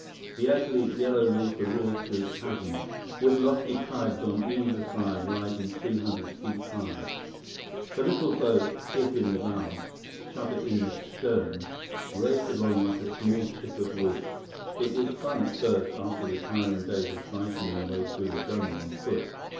The ugly, yellow water roars through chasms, with lofty crags on either side rising 300 feet high. The little boat, Biff in the bow, Chuba in the stern, raced along like a small chip of wood. It was fun at first after the tiring days of fighting their way through the jungle on foot.